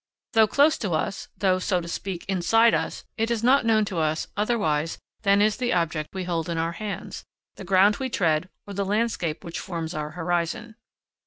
Though close to us, though, so to speak, inside us, it is not known to us otherwise than is the object we hold in our hands, the ground we tread, or the landscape which forms our horizon.